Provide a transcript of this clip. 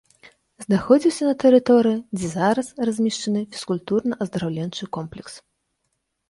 Знаходзіўся на тэрыторыі, дзе зараз размешчаны фізкультурна-аздараўленчы комплекс.